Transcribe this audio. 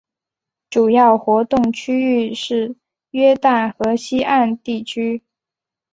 主要活动区域是约旦河西岸地区。